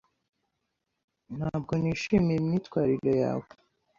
Ntabwo nishimiye imyitwarire yawe.